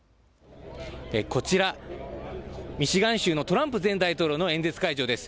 こちら、ミシガン州のトランプ前大統領の演説会場です。